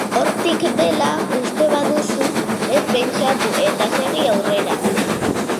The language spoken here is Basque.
Hortik dela uste baduzu, ez pentsatu, eta segi aurrera.